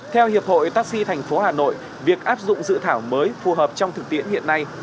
theo hiệp hội taxi tp hà nội việc áp dụng dự thảo mới phù hợp trong thực tiễn hiện nay